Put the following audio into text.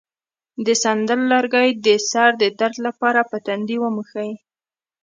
د سندل لرګی د سر د درد لپاره په تندي ومښئ